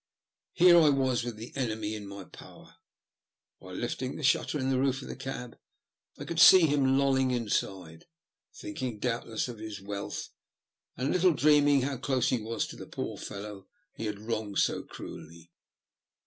Here I was with my enemy in my power ; by lifting the shutter in the roof of the cab I could see him lolling inside — thinking, doubtless, of his wealth, and little dreaming how close he was to the poor fellow he had wronged so cruelly.